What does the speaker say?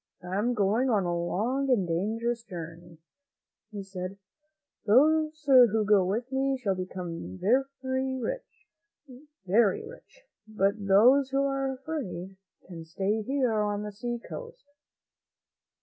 "I am going on a long and dangerous journey," he said; "those who go with me shall become rich, very rich, but those who are afraid can stay here on the seacoast."